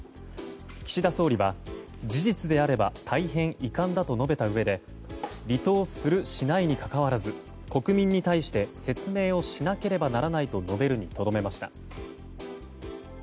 岸田総理は、事実であれば大変遺憾だと述べたうえで離党する、しないにかかわらず国民に対して説明をしなければならないと述べるにとどめました。